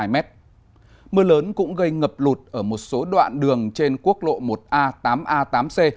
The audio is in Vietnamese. mưa lớn cũng gây ngập lụt ở một số đoạn đường trên quốc lộ một a tám a tám c